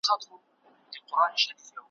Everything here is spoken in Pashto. اوس د کوه قاف له تُرابان سره به څه کوو,